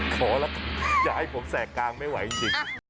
ขอแล้วอย่าให้ผมแสกกลางไม่ไหวจริง